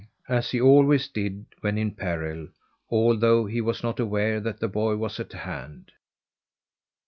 as he always did when in peril although he was not aware that the boy was at hand.